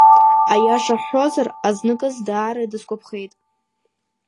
Аиаша ҳҳәозар, азныказ даара дысгәаԥхеит.